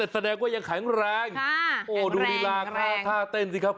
แสดงว่ายังแข็งแรงโอ้ดูลีลาท่าเต้นสิครับ